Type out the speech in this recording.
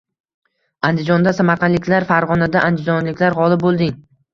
Andijonda samarqandliklar, Farg‘onada andijonliklar g‘olib bo‘lding